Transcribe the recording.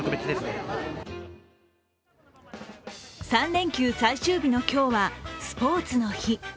３連休最終日の今日はスポーツの日。